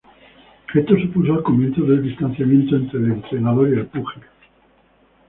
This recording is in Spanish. Esto supuso el comienzo del distanciamiento entre el entrenador y el púgil.